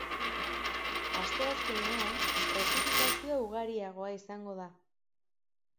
Asteazkenean, prezipitazioa ugariagoa izango da.